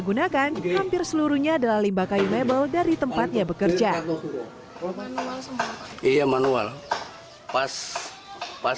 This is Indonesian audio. gunakan hampir seluruhnya adalah limba kayu mebel dari tempatnya bekerja manual pas pas